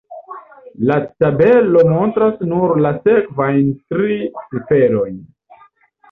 La tabelo montras nur la sekvajn tri ciferojn.